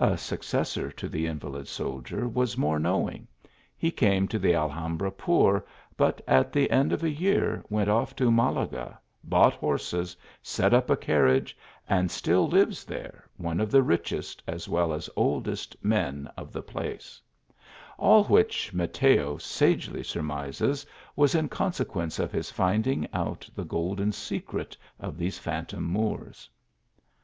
A successor to the invalid soldier was more knowing ; he came to the Alhambra poor, but at the end of a year went off to Malaga, bought horses, set up a carriage, and still lives there, one of the righest as well as oldest men of the place : all which, Mateo sagely surmises, was in consequence of his finding out the golden secret of these phantom Moors.